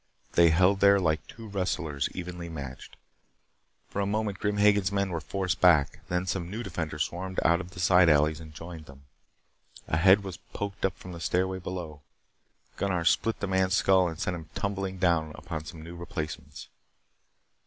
They held there, like two wrestlers evenly matched. For a moment Grim Hagen's men were forced back. Then some new defenders swarmed out of the side alleys and joined them. A head was poked up from the stairway below, Gunnar split the man's skull and sent him tumbling down upon some new replacements.